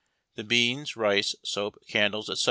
The beans, rice, soap, candles, etc.